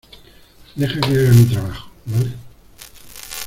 deja que haga mi trabajo, ¿ vale?